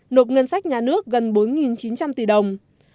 nộp ngân sách nhà nước gần bốn chín trăm linh tỷ đồng